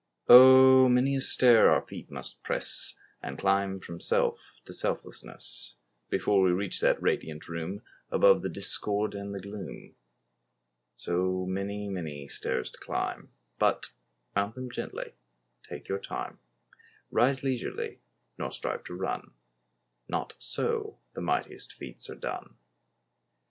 Oh! many a stair our feet must press, And climb from self to selflessness, Before we reach that radiant room Above the discord and the gloom. So many, many stairs to climb, But mount them gently—take your time; Rise leisurely, nor strive to run— Not so the mightiest feats are done.